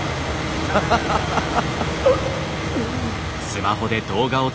ハハハハハ。